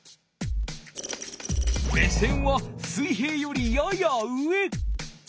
目線は水平よりやや上。